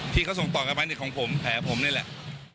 ที่เขาส่งต่อกันไว้ของผมแผลผมนี่แหละ